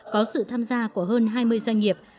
có sự tham gia của hơn hai mươi doanh nghiệp